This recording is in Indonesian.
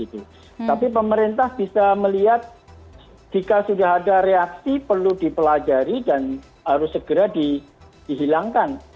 tapi pemerintah bisa melihat jika sudah ada reaksi perlu dipelajari dan harus segera dihilangkan